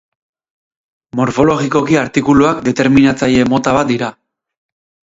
Morfologikoki artikuluak determinatzaile mota bat dira.